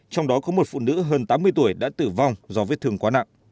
trong đó có một phụ nữ hơn tám mươi tuổi đã tử vong do vết thương quá nặng